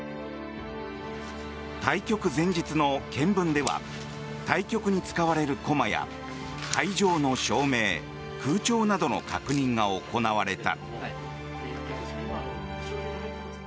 対局前日の検分では対局に使われる駒や会場の照明、空調などの確認が行われた。